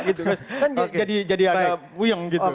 kan jadi agak wuyeng gitu